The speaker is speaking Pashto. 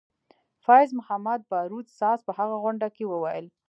فیض محمدباروت ساز په هغه غونډه کې وویل.